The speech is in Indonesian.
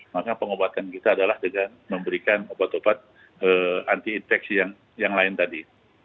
maka pengobatan kita adalah dengan memberikan obat obat anti infeksi yang lain tadi